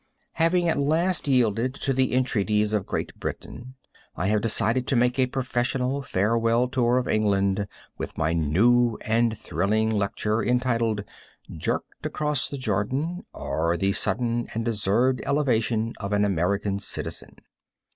Having at last yielded to the entreaties of Great Britain, I have decided to make a professional farewell tour of England with my new and thrilling lecture, entitled "Jerked Across the Jordan, or the Sudden and Deserved Elevation of an American Citizen."